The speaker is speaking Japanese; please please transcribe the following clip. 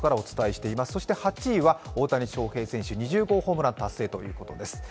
そして８位は大谷翔平選手２０号ホームラン達成ということです。